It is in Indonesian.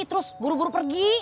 terus buru buru pergi